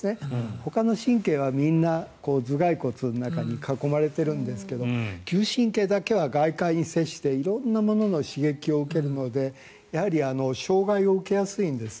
ほかの神経はみんな頭がい骨の中に囲まれているんですが嗅神経だけは外界に接して色んなものの刺激を受けるのでやはり障害を受けやすいんですね。